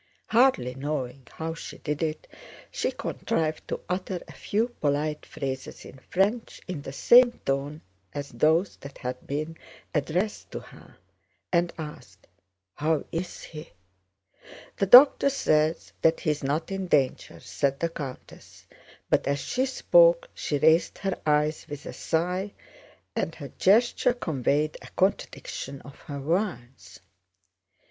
Hardly knowing how she did it, she contrived to utter a few polite phrases in French in the same tone as those that had been addressed to her, and asked: "How is he?" "The doctor says that he is not in danger," said the countess, but as she spoke she raised her eyes with a sigh, and her gesture conveyed a contradiction of her words.